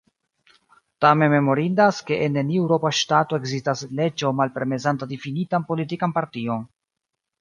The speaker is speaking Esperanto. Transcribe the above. Tamen memorindas, ke en neniu eŭropa ŝtato ekzistas leĝo malpermesanta difinitan politikan partion.